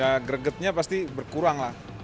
ya gregetnya pasti berkurang lah